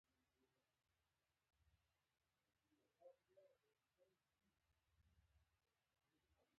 دا د فعالیتونو بررسي او رهنمایي کوي.